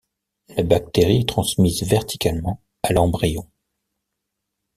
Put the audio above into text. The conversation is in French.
La bactérie est transmise verticalement à l'embryon.